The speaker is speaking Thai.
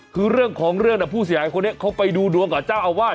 คือเรื่องของเรื่องผู้เสียหายคนนี้เขาไปดูดวงกับเจ้าอาวาส